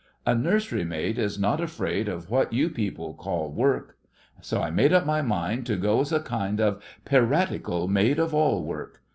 A nurs'rymaid is not afraid of what you people call work, So I made up my mind to go as a kind of piratical maid of all work.